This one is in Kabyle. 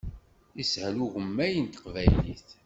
Ishel ugemmay n teqbaylit.